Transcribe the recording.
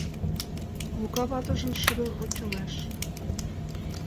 Лука ватыжым шыдын ончалеш.